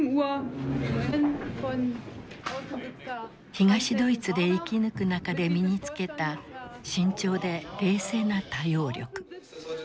東ドイツで生き抜く中で身に付けた慎重で冷静な対応力。